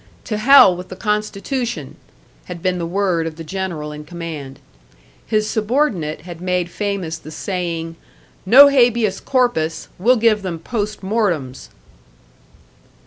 "To hell with the constitution!" had been the word of the general in command; his subordinate had made famous the saying, "No habeas corpus; we'll give them post mortems!"